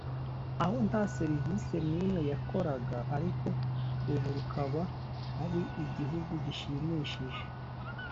aho nta serivise n’imwe yakoraga ariko ubu rukaba ari igihugu gishimishije